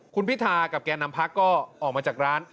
คุณพิธากับแก่นำพักก็ออกมาจากร้าน